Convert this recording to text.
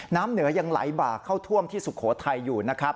น้ำเหนือยังไหลบากเข้าท่วมที่สุโขทัยอยู่นะครับ